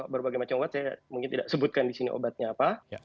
berbagai macam obat saya mungkin tidak sebutkan di sini obatnya apa